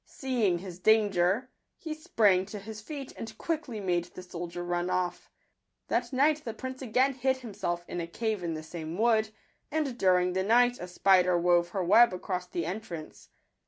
Seeing his danger, he sprang to his feet, and quickly made the soldier run off. That night the prince again hid himself in a cave in the same wood ; and during the night a spider wove her web across the entrance.